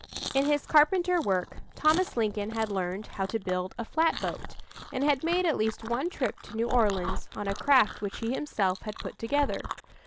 In his carpenter work, Thomas Lincoln had learned how to build a flatboat, and had made at least one trip to New Orleans on a craft which he himself had put together.